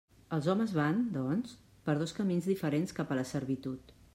Els homes van, doncs, per dos camins diferents cap a la servitud.